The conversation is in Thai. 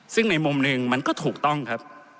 ซึ่งในมุมหนึ่งมันก็ถูกต้องครับ